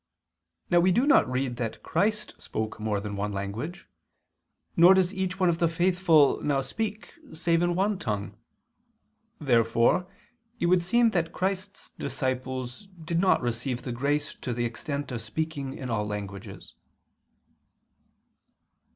Now we do not read that Christ spoke more than one language, nor does each one of the faithful now speak save in one tongue. Therefore it would seem that Christ's disciples did not receive the grace to the extent of speaking in all languages.